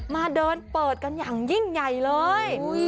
มาเดินเปิดกันอย่างยิ่งใหญ่เลย